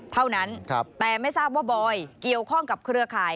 เท่านั้นแต่ไม่ทราบว่าบอยเกี่ยวข้องกับเครือข่าย